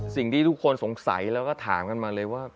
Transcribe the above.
สิ่งที่ทุกคนสงสัยแล้วก็ถามกันมาเลยว่า